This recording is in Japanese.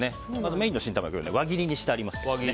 メインの新タマネギは輪切りにしてあります。